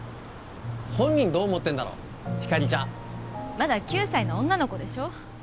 本人どう思ってんだろひかりちゃんまだ９歳の女の子でしょ